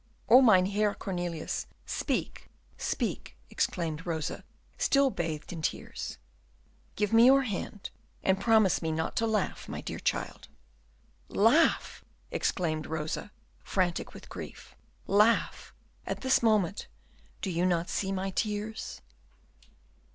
"Oh, Mynheer Cornelius, speak, speak!" exclaimed Rosa, still bathed in tears. "Give me your hand, and promise me not to laugh, my dear child." "Laugh," exclaimed Rosa, frantic with grief, "laugh at this moment! do you not see my tears?"